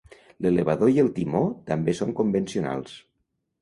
L'elevador i el timó també són convencionals.